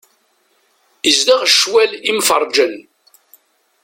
Izdeɣ ccwal imferrǧen.